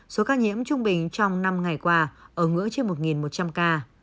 số ca nhiễm trung bình trong năm ngày qua ở ngưỡng trên một một trăm linh ca